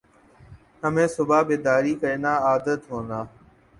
ہمیں صبح بیداری کرنا عادت ہونا